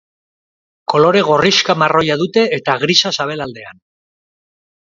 Kolore gorrixka-marroia dute eta grisa sabelaldean.